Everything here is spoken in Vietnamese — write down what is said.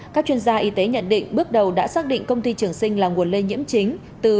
các chuyên gia y tế nhận định bước đầu đã xác định công ty trường sinh là nguồn lây nhiễm chính từ